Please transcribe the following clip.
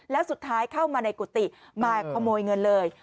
แล้วสุดท้ายเข้ามาในกุฏิมาขโมยเงินเลย